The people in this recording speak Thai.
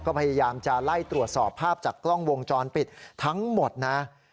ก็พยายามจะไล่ตรวจสอบภาพจากกล้องวงจรปิดทั้งหมดนะ